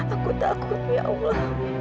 aku takut ya allah